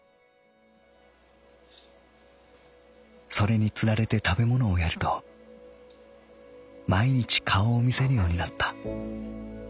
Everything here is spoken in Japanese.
「それに釣られて食べものをやると毎日顔を見せるようになった。